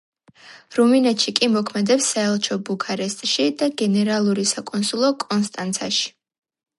რუმინეთში კი მოქმედებს საელჩო ბუქარესტში და გენერალური საკონსულო კონსტანცაში.